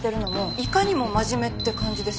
いかにも真面目って感じです。